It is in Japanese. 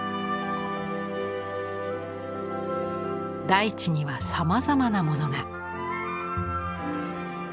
大地にはさまざまなモノが。